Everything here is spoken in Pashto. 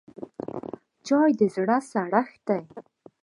چای د زړه سړښت دی